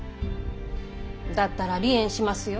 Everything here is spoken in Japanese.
だったら離縁しますよ。